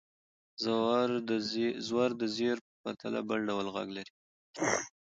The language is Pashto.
زور د زېر په پرتله بل ډول غږ لري.